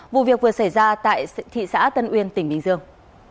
vụ việc vừa xảy ra tại thị xã tân uyên tỉnh bình dương